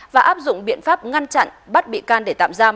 và áp dụng biện pháp ngăn chặn bắt bị can để tạm giam